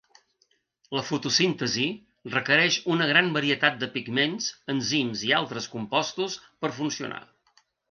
La fotosíntesi requereix una gran varietat de pigments, enzims i altres compostos per funcionar.